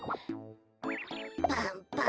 パンパン。